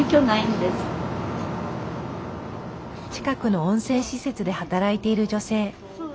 近くの温泉施設で働いている女性。